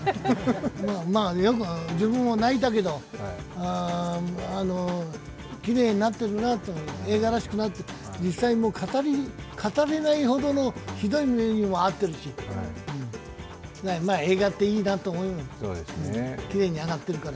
よく自分も泣いたけど、きれいになってるなと、映画らしくなって、実際語れないほどのひどい目にも遭っているし、映画っていいなと思う、きれいに上がってるから。